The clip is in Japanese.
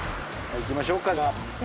行きましょうか。